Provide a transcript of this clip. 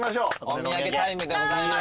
お土産タイムでございます。